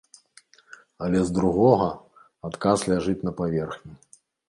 Але з другога, адказ ляжыць на паверхні.